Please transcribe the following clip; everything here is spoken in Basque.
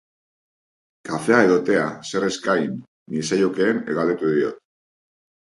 Kafea edo tea, zer eskain niezaiokeen galdetu diot.